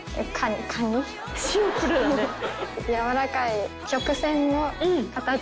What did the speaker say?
やわらかい曲線の形に。